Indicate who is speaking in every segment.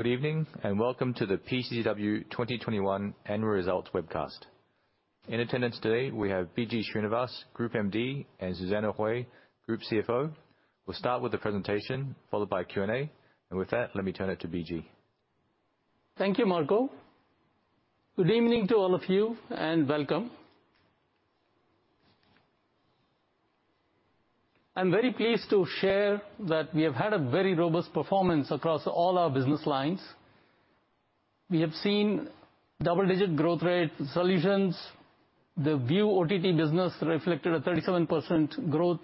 Speaker 1: Good evening, and welcome to the PCCW 2021 annual results webcast. In attendance today we have BG Srinivas, Group MD, and Susanna Hui, Group CFO. We'll start with the presentation, followed by Q&A. With that, let me turn it to BG.
Speaker 2: Thank you, Marco. Good evening to all of you, and welcome. I'm very pleased to share that we have had a very robust performance across all our business lines. We have seen double-digit growth rate Solutions. The Viu OTT business reflected a 37% growth,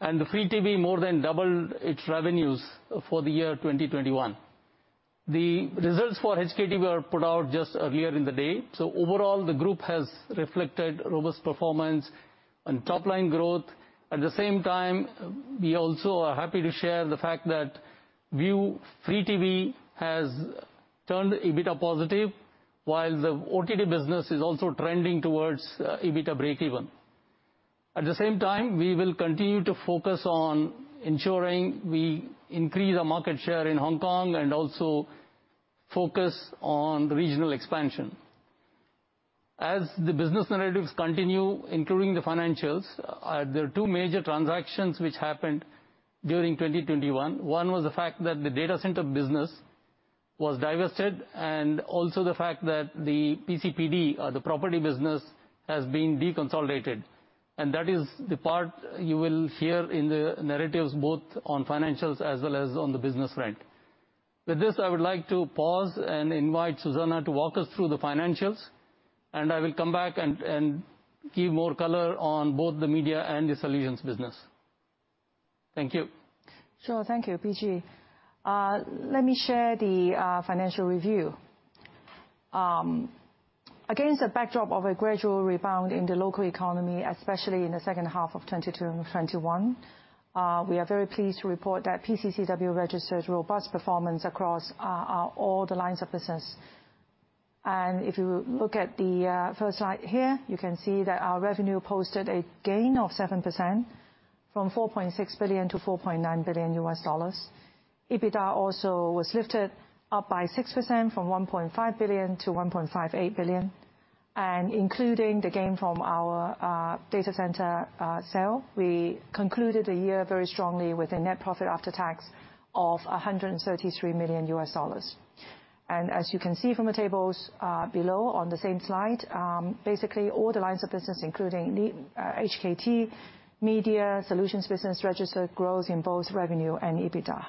Speaker 2: and the ViuTV more than doubled its revenues for the year 2021. The results for HKT were put out just earlier in the day, so overall the group has reflected robust performance and top-line growth. At the same time, we also are happy to share the fact that ViuTV has turned EBITDA positive, while the OTT business is also trending towards EBITDA break even. At the same time, we will continue to focus on ensuring we increase our market share in Hong Kong and also focus on regional expansion. As the business narratives continue, including the financials, there are two major transactions which happened during 2021. One was the fact that the data center business was divested, and also the fact that the PCPD, the property business, has been deconsolidated. That is the part you will hear in the narratives, both on financials as well as on the business front. With this, I would like to pause and invite Susanna to walk us through the financials. I will come back and give more color on both the media and the Solutions business. Thank you.
Speaker 3: Sure. Thank you, BG. Let me share the financial review. Against the backdrop of a gradual rebound in the local economy, especially in the second half of 2021, we are very pleased to report that PCCW registered robust performance across all the lines of business. If you look at the first slide here, you can see that our revenue posted a gain of 7%, from $4.6 billion to $4.9 billion. EBITDA also was lifted up by 6% from $1.5 billion to $1.58 billion. Including the gain from our data center sale, we concluded the year very strongly with a net profit after tax of $133 million. As you can see from the tables below on the same slide, basically all the lines of business, including the HKT, media, Solutions business, registered growth in both revenue and EBITDA.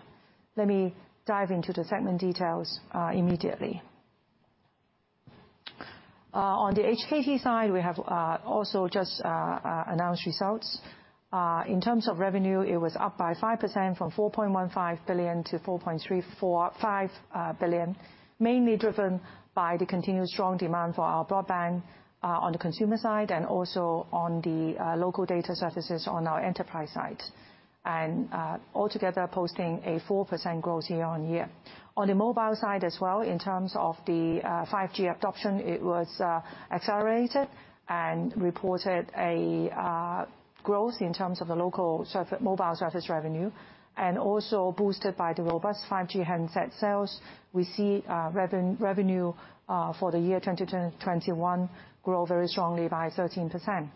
Speaker 3: Let me dive into the segment details immediately. On the HKT side, we have also just announced results. In terms of revenue, it was up by 5% from 4.15 billion to 4.345 billion, mainly driven by the continued strong demand for our broadband on the consumer side, and also on the local data services on our enterprise side. Altogether posting a 4% growth year-on-year. On the mobile side as well, in terms of the 5G adoption, it was accelerated and reported a growth in terms of the local mobile service revenue, and also boosted by the robust 5G handset sales. We see revenue for the year 2021 grow very strongly by 13%.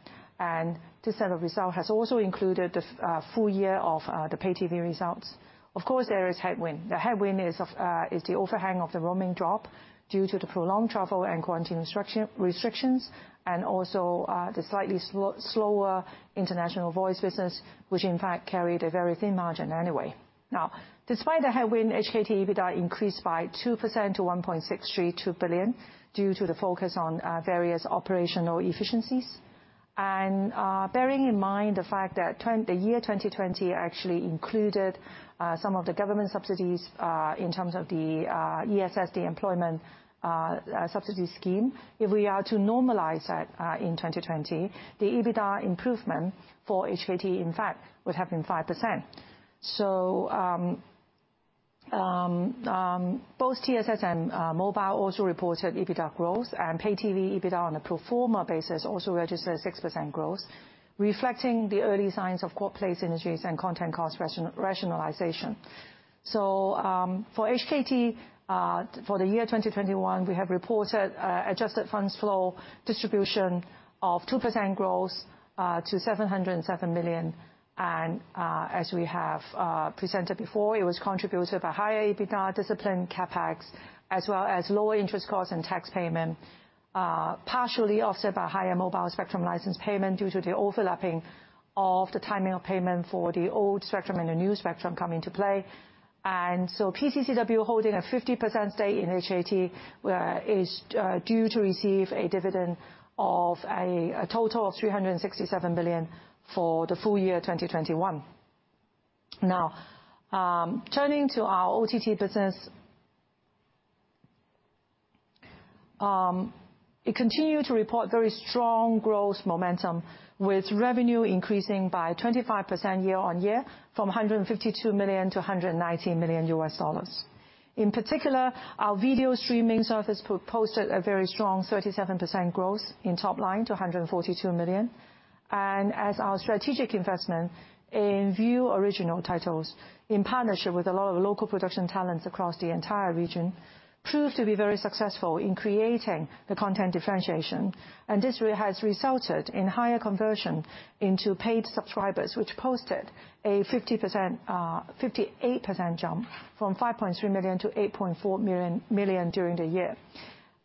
Speaker 3: This set of results has also included the full year of the Pay TV results. Of course, there is headwind. The headwind is the overhang of the roaming drop due to the prolonged travel and quarantine restrictions and also the slightly slower international voice business, which in fact carried a very thin margin anyway. Now, despite the headwind, HKT EBITDA increased by 2% to 1.632 billion, due to the focus on various operational efficiencies. Bearing in mind the fact that the year 2020 actually included some of the government subsidies in terms of the ESS, the employment subsidy scheme. If we are to normalize that in 2020, the EBITDA improvement for HKT, in fact, would have been 5%. Both TSS and mobile also reported EBITDA growth, and Pay TV EBITDA on a pro forma basis also registered 6% growth, reflecting the early signs of cross-platform synergies and content cost rationalization. For HKT, for the year 2021, we have reported adjusted funds flow distribution of 2% growth to 707 million. As we have presented before, it was contributed by higher EBITDA, disciplined CapEx, as well as lower interest costs and tax payment, partially offset by higher mobile spectrum license payment due to the overlapping of the timing of payment for the old spectrum and the new spectrum come into play. PCCW holding a 50% stake in HKT is due to receive a dividend of a total of 367 million for the full year 2021. Now, turning to our OTT business, it continued to report very strong growth momentum, with revenue increasing by 25% year-on-year from $152 million to $190 million. In particular, our video streaming service posted a very strong 37% growth in top line to $142 million. As our strategic investment in Viu Originals in partnership with a lot of local production talents across the entire region, proved to be very successful in creating the content differentiation. This really has resulted in higher conversion into paid subscribers, which posted a 58% jump from 5.3 million to 8.4 million during the year.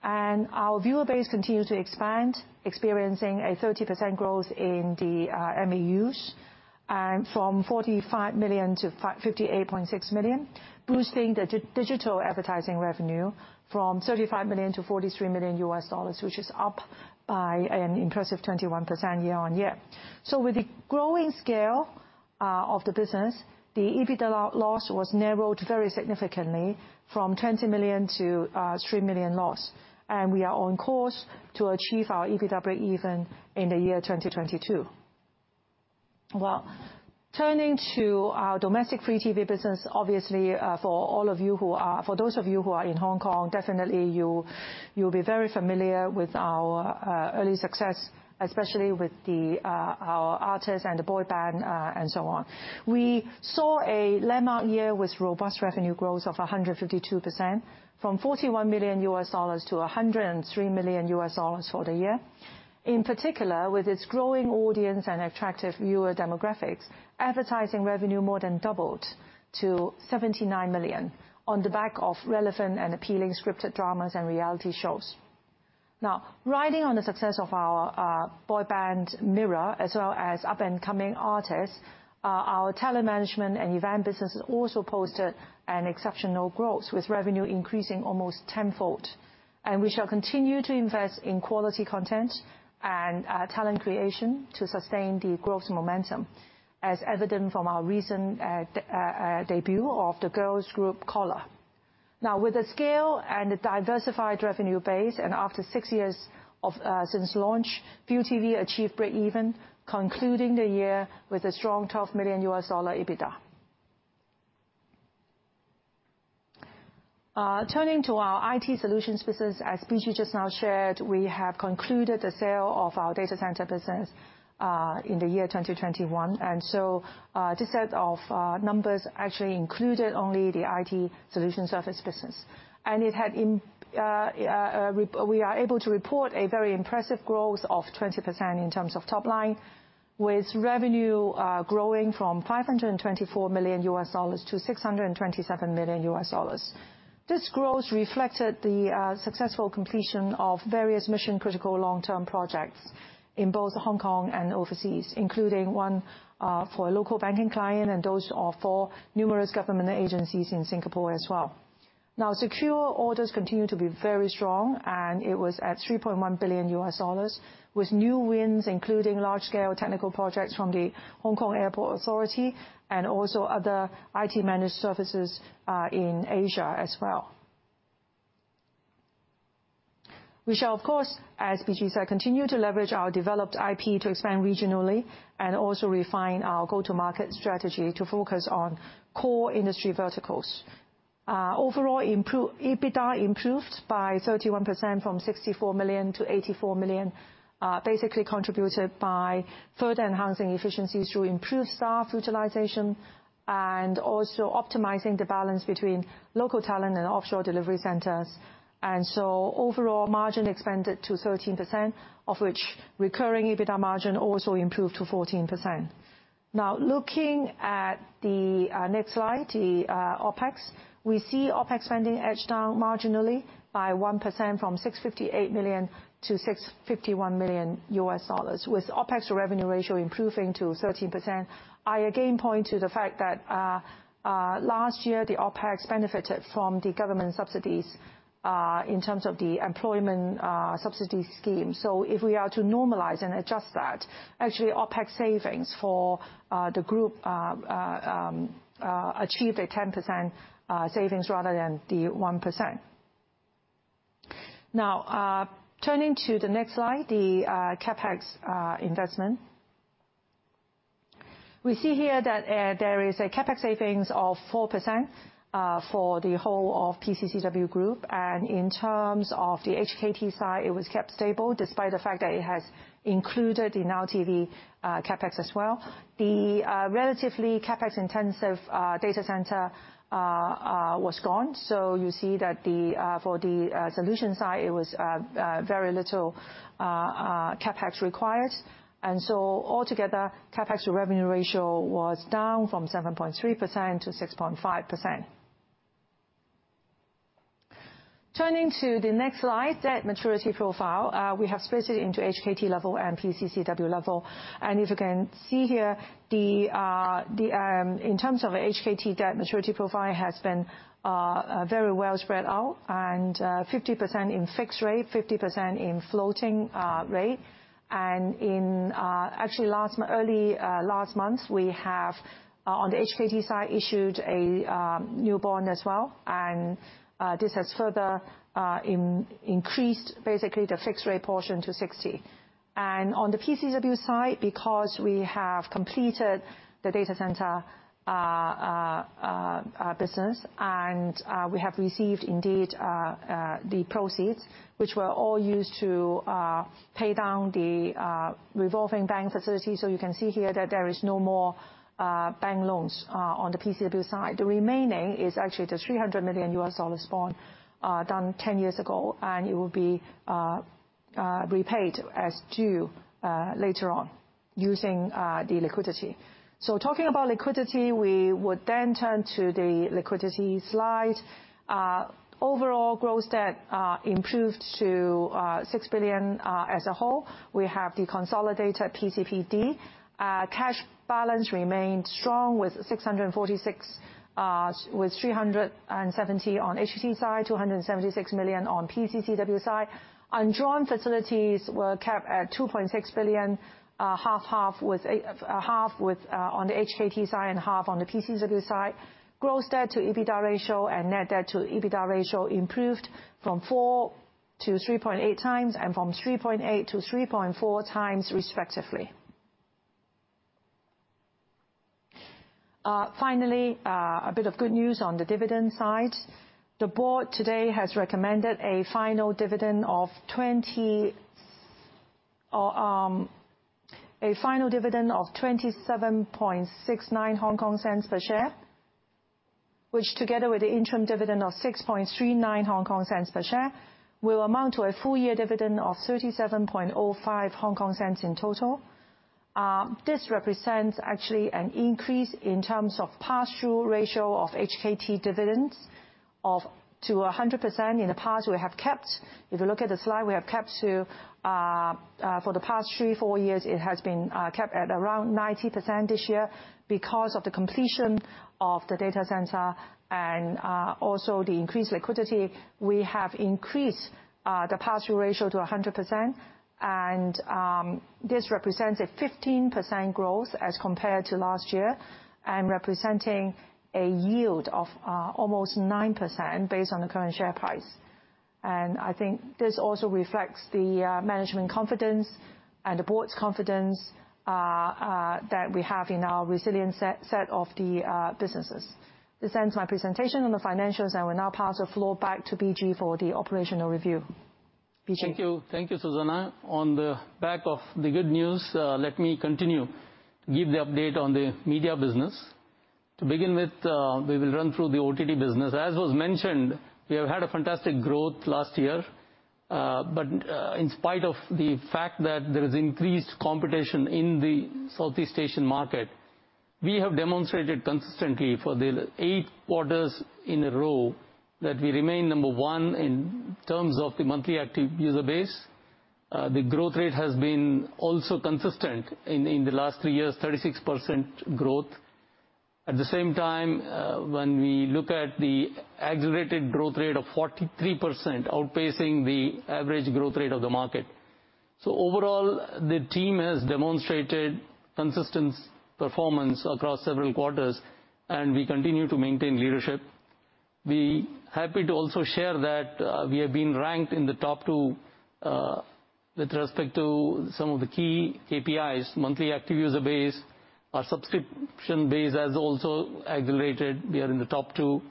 Speaker 3: Our viewer base continued to expand, experiencing a 30% growth in the MAUs, from 45 million to 58.6 million, boosting the digital advertising revenue from $35 million to $43 million, which is up by an impressive 21% year-on-year. With the growing scale of the business, the EBITDA loss was narrowed very significantly from 20 million to 3 million loss. We are on course to achieve our EBITDA breakeven in the year 2022. Well, turning to our domestic Free TV business. Obviously, for those of you who are in Hong Kong, definitely you'll be very familiar with our early success, especially with our artists and the boy band, and so on. We saw a landmark year with robust revenue growth of 152% from $41 million to $103 million for the year. In particular, with its growing audience and attractive viewer demographics, advertising revenue more than doubled to $79 million on the back of relevant and appealing scripted dramas and reality shows. Now, riding on the success of our boy band, MIRROR, as well as up-and-coming artists, our talent management and event business has also posted an exceptional growth, with revenue increasing almost tenfold. We shall continue to invest in quality content and talent creation to sustain the growth momentum, as evident from our recent debut of the girls group, COLLAR. Now, with the scale and the diversified revenue base, and after 6 years since launch, ViuTV achieved breakeven, concluding the year with a strong $12 million EBITDA. Turning to our IT Solutions business, as BG just now shared, we have concluded the sale of our data center business in the year 2021. This set of numbers actually included only the IT Solutions service business. We are able to report a very impressive growth of 20% in terms of top line, with revenue growing from $524 million to $627 million. This growth reflected the successful completion of various mission-critical long-term projects in both Hong Kong and overseas, including one for a local banking client and those for numerous government agencies in Singapore as well. Secured orders continue to be very strong, and it was at $3.1 billion, with new wins, including large-scale technical projects from the Airport Authority Hong Kong, and also other IT managed services in Asia as well. We shall of course, as BG said, continue to leverage our developed IP to expand regionally and also refine our go-to-market strategy to focus on core industry verticals. Overall, EBITDA improved by 31% from $64 million to $84 million, basically contributed by further enhancing efficiencies through improved staff utilization and also optimizing the balance between local talent and offshore delivery centers. Overall margin expanded to 13%, of which recurring EBITDA margin also improved to 14%. Now, looking at the next slide, the OpEx, we see OpEx spending edged down marginally by 1% from $658 million to $651 million, with OpEx revenue ratio improving to 13%. I again point to the fact that last year, the OpEx benefited from the government subsidies in terms of the employment subsidy scheme. If we are to normalize and adjust that, actually, OpEx savings for the group achieved 10% savings rather than the 1%. Now, turning to the next slide, the CapEx investment. We see here that there is a CapEx savings of 4% for the whole of PCCW group. In terms of the HKT side, it was kept stable despite the fact that it has included the Now TV CapEx as well. The relatively CapEx-intensive data center was gone. You see that for the Solutions side, it was very little CapEx required. Altogether, CapEx revenue ratio was down from 7.3% to 6.5%. Turning to the next slide, debt maturity profile. We have split it into HKT level and PCCW level. If you can see here, in terms of HKT debt maturity profile has been very well spread out, and 50% in fixed rate, 50% in floating rate. Actually, early last month, we have on the HKT side, issued a new bond as well. This has further increased basically the fixed rate portion to 60%. On the PCCW side, because we have completed the data center business and we have received indeed the proceeds, which were all used to pay down the revolving bank facility. You can see here that there is no more bank loans on the PCCW side. The remaining is actually the $300 million bond done 10 years ago, and it will be repaid as due later on using the liquidity. Talking about liquidity, we would then turn to the liquidity slide. Overall gross debt improved to 6 billion as a whole. We have the consolidated PCPD. Cash balance remained strong with 646 million, with 370 million on HKT side, 276 million on PCCW side. Undrawn facilities were kept at 2.6 billion, half with on the HKT side and half on the PCCW side. Gross debt to EBITDA ratio and net debt to EBITDA ratio improved from 4x to 3.8x and from 3.8x to 3.4x,, respectively. Finally, a bit of good news on the dividend side. The Board today has recommended a final dividend of 0.2769 per share, which, together with the interim dividend of 0.0639 per share, will amount to a full-year dividend of 0.3705 in total. This represents actually an increase in terms of pass-through ratio of HKT dividends to 100%. In the past, if you look at the slide, we have kept to around 90% for the past three, four years. This year, because of the completion of the data center and also the increased liquidity, we have increased the pass-through ratio to 100%. This represents a 15% growth as compared to last year and representing a yield of almost 9% based on the current share price. I think this also reflects the management confidence and the board's confidence that we have in our resilient set of the businesses. This ends my presentation on the financials. I will now pass the floor back to BG for the operational review. BG.
Speaker 2: Thank you. Thank you, Susanna. On the back of the good news, let me continue to give the update on the media business. To begin with, we will run through the OTT business. As was mentioned, we have had a fantastic growth last year. In spite of the fact that there is increased competition in the Southeast Asian market, we have demonstrated consistently for the eight quarters in a row that we remain number one in terms of the monthly active user base. The growth rate has been also consistent in the last three years, 36% growth. At the same time, when we look at the accelerated growth rate of 43%, outpacing the average growth rate of the market. Overall, the team has demonstrated consistent performance across several quarters, and we continue to maintain leadership. We're happy to also share that we have been ranked in the top two with respect to some of the key KPIs, monthly active user base. Our subscription base has also accelerated. We are in the top two.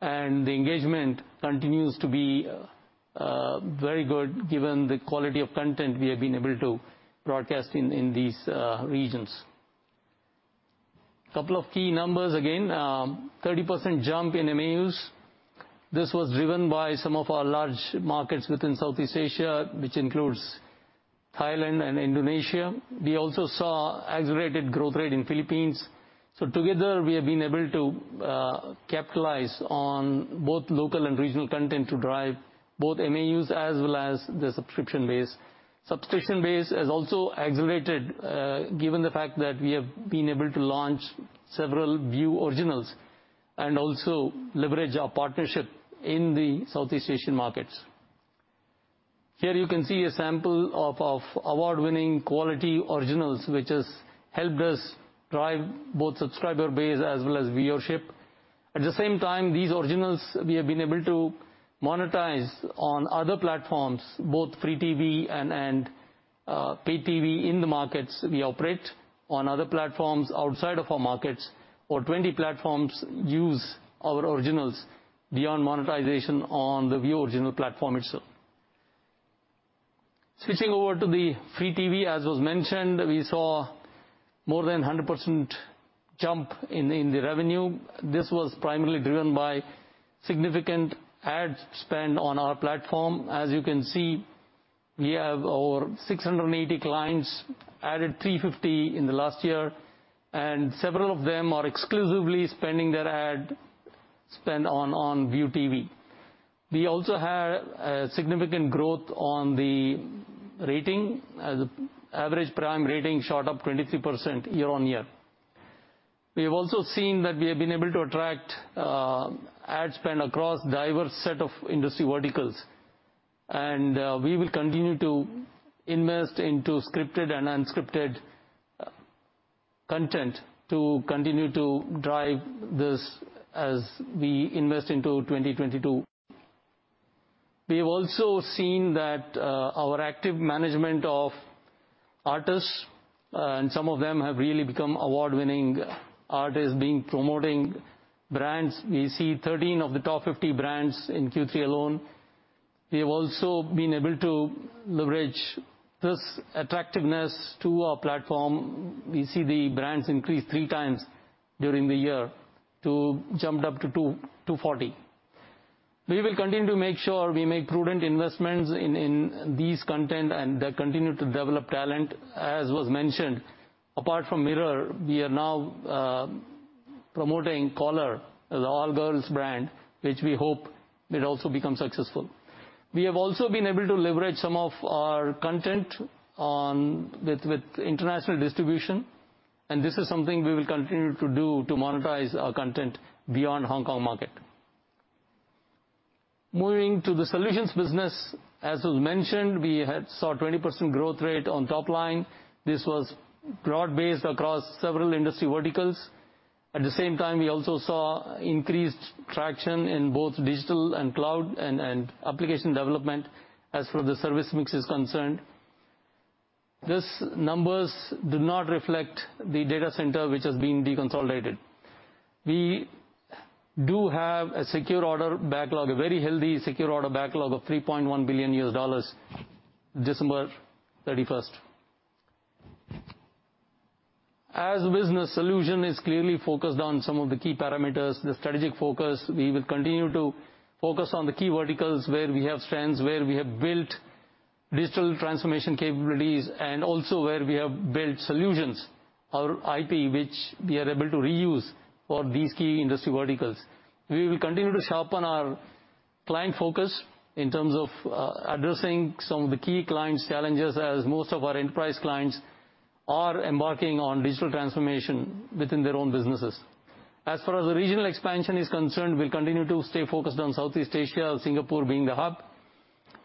Speaker 2: The engagement continues to be very good given the quality of content we have been able to broadcast in these regions. Couple of key numbers again, 30% jump in MAUs. This was driven by some of our large markets within Southeast Asia, which includes Thailand and Indonesia. We also saw accelerated growth rate in Philippines. Together, we have been able to capitalize on both local and regional content to drive both MAUs as well as the subscription base. Subscription base has also accelerated, given the fact that we have been able to launch several Viu Originals and also leverage our partnership in the Southeast Asian markets. Here you can see a sample of award-winning quality originals, which has helped us drive both subscriber base as well as viewership. At the same time, these originals we have been able to monetize on other platforms, both Free TV and Pay TV in the markets we operate. On other platforms outside of our markets, over 20 platforms use our originals beyond monetization on the Viu Originals platform itself. Switching over to the Free TV, as was mentioned, we saw more than 100% jump in the revenue. This was primarily driven by significant ad spend on our platform. As you can see, we have over 680 clients, added 350 in the last year, and several of them are exclusively spending their ad spend on ViuTV. We also had a significant growth on the rating. The average prime rating shot up 23% year-on-year. We have also seen that we have been able to attract ad spend across diverse set of industry verticals. We will continue to invest into scripted and unscripted content to continue to drive this as we invest into 2022. We've also seen that our active management of artists, and some of them have really become award-winning artists, been promoting brands. We see 13 of the top 50 brands in Q3 alone. We have also been able to leverage this attractiveness to our platform. We see the brands increase three times during the year to jump up to 240. We will continue to make sure we make prudent investments in this content, and they continue to develop talent, as was mentioned. Apart from MIRROR, we are now promoting COLLAR, an all-girls brand, which we hope will also become successful. We have also been able to leverage some of our content with international distribution, and this is something we will continue to do to monetize our content beyond Hong Kong market. Moving to the Solutions business. As was mentioned, we saw 20% growth rate on top line. This was broad-based across several industry verticals. At the same time, we also saw increased traction in both digital and cloud and application development as far as the service mix is concerned. These numbers do not reflect the data center, which has been deconsolidated. We do have a secure order backlog, a very healthy secure order backlog of $3.1 billion as of December 31st. As Business Solutions is clearly focused on some of the key parameters, the strategic focus, we will continue to focus on the key verticals where we have strengths, where we have built digital transformation capabilities, and also where we have built Solutions, our IP, which we are able to reuse for these key industry verticals. We will continue to sharpen our client focus in terms of addressing some of the key clients' challenges, as most of our enterprise clients are embarking on digital transformation within their own businesses. As far as the regional expansion is concerned, we'll continue to stay focused on Southeast Asia, Singapore being the hub,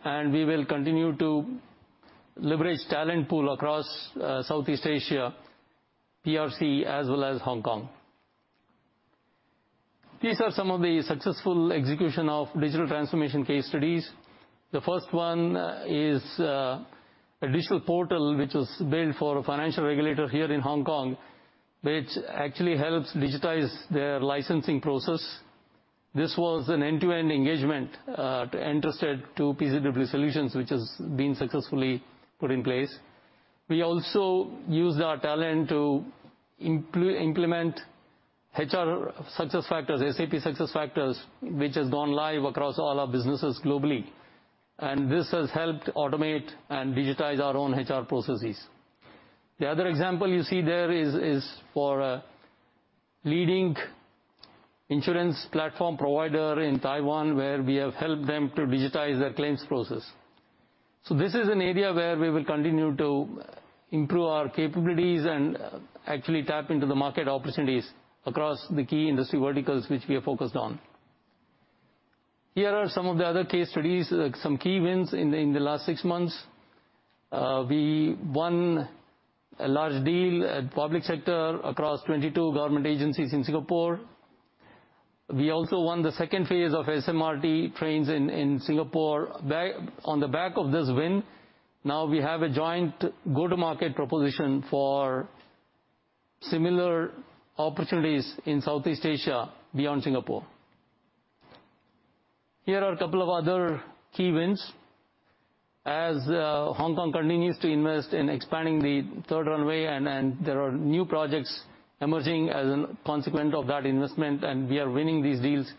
Speaker 2: and we will continue to leverage talent pool across Southeast Asia, PRC, as well as Hong Kong. These are some of the successful execution of digital transformation case studies. The first one is a digital portal which was built for a financial regulator here in Hong Kong, which actually helps digitize their licensing process. This was an end-to-end engagement, end-to-end by PCCW Solutions, which has been successfully put in place. We also used our talent to implement SAP SuccessFactors, which has gone live across all our businesses globally. This has helped automate and digitize our own HR processes. The other example you see there is for a leading insurance platform provider in Taiwan, where we have helped them to digitize their claims process. This is an area where we will continue to improve our capabilities and actually tap into the market opportunities across the key industry verticals, which we are focused on. Here are some of the other case studies, some key wins in the last six months. We won a large deal at public sector across 22 government agencies in Singapore. We also won the second phase of SMRT Trains in Singapore. On the back of this win, now we have a joint go-to-market proposition for similar opportunities in Southeast Asia beyond Singapore. Here are a couple of other key wins. As Hong Kong continues to invest in expanding the third runway, and there are new projects emerging as a consequence of that investment, and we are winning these deals.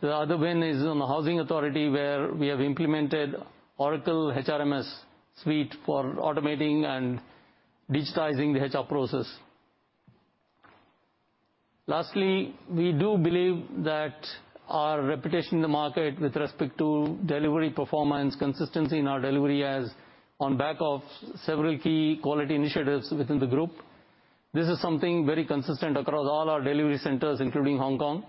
Speaker 2: The other win is on the Hong Kong Housing Authority, where we have implemented Oracle HRMS Suite for automating and digitizing the HR process. Lastly, we do believe that our reputation in the market with respect to delivery performance, consistency in our delivery on the back of several key quality initiatives within the group. This is something very consistent across all our delivery centers, including Hong Kong.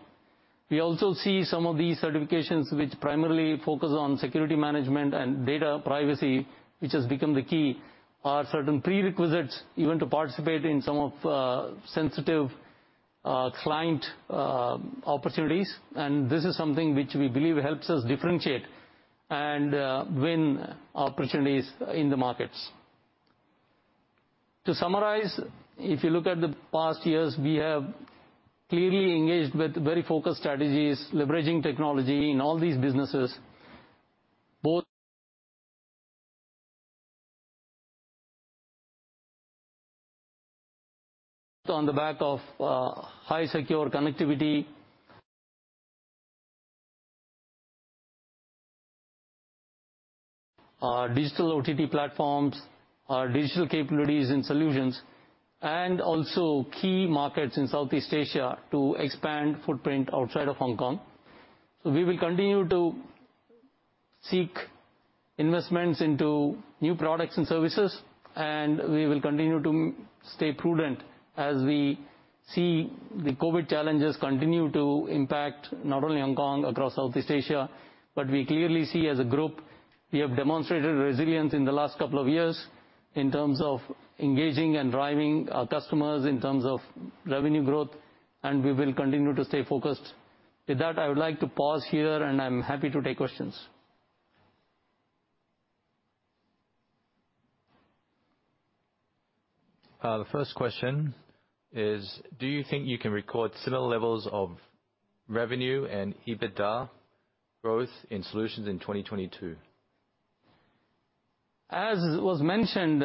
Speaker 2: We also see some of these certifications which primarily focus on security management and data privacy, which has become the key, or certain prerequisites even to participate in some of sensitive client opportunities. This is something which we believe helps us differentiate and win opportunities in the markets. To summarize, if you look at the past years, we have clearly engaged with very focused strategies, leveraging technology in all these businesses on the back of highly secure connectivity. Our digital OTT platforms, our digital capabilities and Solutions, and also key markets in Southeast Asia to expand footprint outside of Hong Kong. We will continue to seek investments into new products and services, and we will continue to stay prudent as we see the COVID challenges continue to impact not only Hong Kong, across Southeast Asia, but we clearly see as a group, we have demonstrated resilience in the last couple of years in terms of engaging and driving our customers, in terms of revenue growth, and we will continue to stay focused. With that, I would like to pause here, and I'm happy to take questions.
Speaker 1: The first question is: Do you think you can record similar levels of revenue and EBITDA growth in Solutions in 2022?
Speaker 2: As was mentioned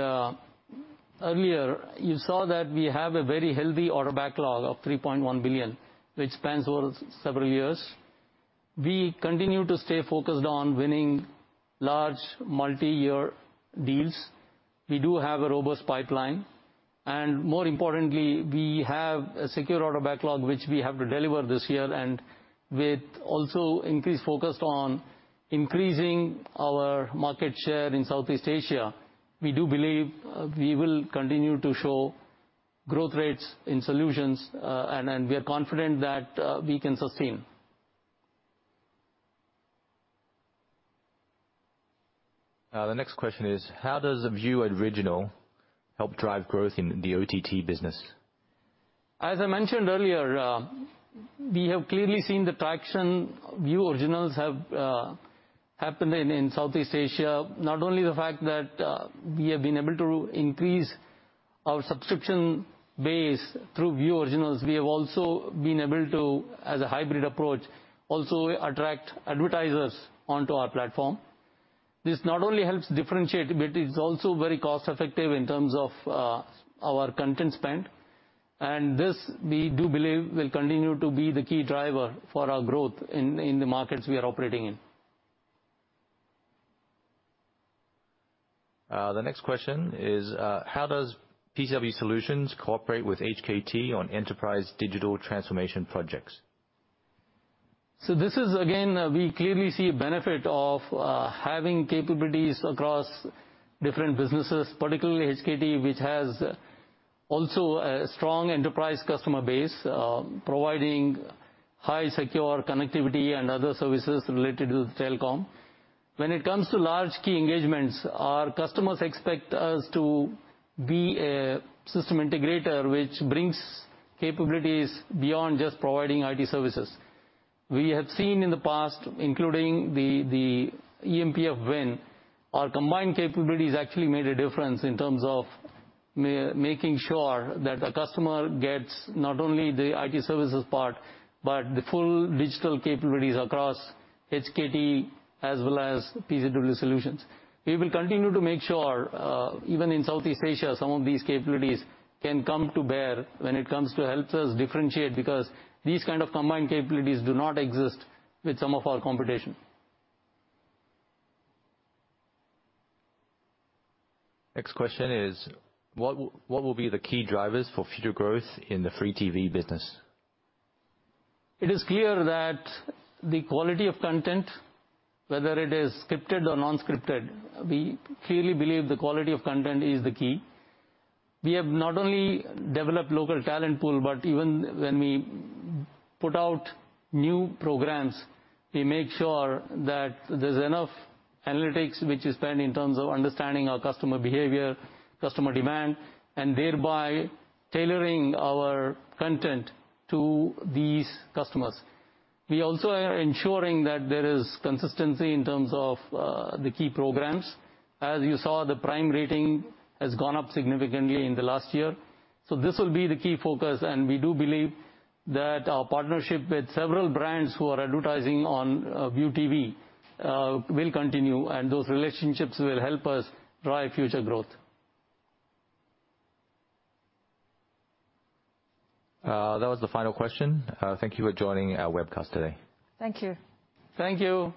Speaker 2: earlier, you saw that we have a very healthy order backlog of 3.1 billion, which spans over several years. We continue to stay focused on winning large multi-year deals. We do have a robust pipeline, and more importantly, we have a secure order backlog which we have to deliver this year. With also increased focus on increasing our market share in Southeast Asia, we do believe we will continue to show growth rates in Solutions, and we are confident that we can sustain.
Speaker 1: The next question is: How does the Viu Originals help drive growth in the OTT business?
Speaker 2: As I mentioned earlier, we have clearly seen the traction Viu Originals have happened in Southeast Asia. Not only the fact that we have been able to increase our subscription base through Viu Originals, we have also been able to, as a hybrid approach, also attract advertisers onto our platform. This not only helps differentiate, but it's also very cost-effective in terms of our content spend. This, we do believe, will continue to be the key driver for our growth in the markets we are operating in.
Speaker 1: The next question is. How does PCCW Solutions cooperate with HKT on enterprise digital transformation projects?
Speaker 2: We clearly see a benefit of having capabilities across different businesses, particularly HKT, which has also a strong enterprise customer base, providing highly secure connectivity and other services related to the telecom. When it comes to large key engagements, our customers expect us to be a system integrator which brings capabilities beyond just providing IT services. We have seen in the past, including the eMPF win, our combined capabilities actually made a difference in terms of making sure that a customer gets not only the IT services part but the full digital capabilities across HKT as well as PCCW Solutions. We will continue to make sure, even in Southeast Asia, some of these capabilities can come to bear when it comes to helping us differentiate, because these kind of combined capabilities do not exist with some of our competition.
Speaker 1: Next, question is: What will be the key drivers for future growth in the Free TV business?
Speaker 2: It is clear that the quality of content, whether it is scripted or non-scripted, we clearly believe the quality of content is the key. We have not only developed local talent pool, but even when we put out new programs, we make sure that there's enough analytics which is spent in terms of understanding our customer behavior, customer demand, and thereby tailoring our content to these customers. We also are ensuring that there is consistency in terms of the key programs. As you saw, the prime rating has gone up significantly in the last year, so this will be the key focus. We do believe that our partnership with several brands who are advertising on ViuTV will continue, and those relationships will help us drive future growth.
Speaker 1: That was the final question. Thank you for joining our webcast today.
Speaker 3: Thank you.
Speaker 2: Thank you.